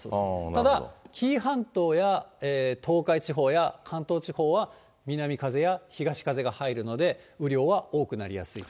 ただ、紀伊半島や東海地方や関東地方は、南風や東風が入るので、雨量は多くなりやすいと。